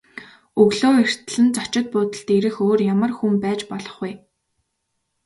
Өглөө эртлэн зочид буудалд ирэх өөр ямар хүн байж болох вэ?